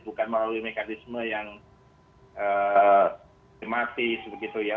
bukan melalui mekanisme yang sistematis begitu ya